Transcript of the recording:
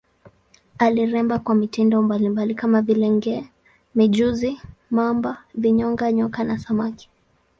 Aliremba kwa mitindo mbalimbali kama vile nge, mijusi, mamba, vinyonga, nyoka na samaki.